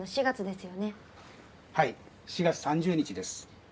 ４月３０日です。